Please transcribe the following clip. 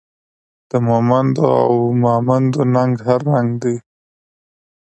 د مومندو او ماموندو ننګ هر رنګ دی